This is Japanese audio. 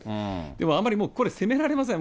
でもあんまり、これ、責められません。